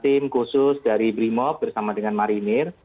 tim khusus dari brimop bersama dengan marinir